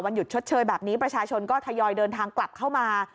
หยุดชดเชยแบบนี้ประชาชนก็ทยอยเดินทางกลับเข้ามา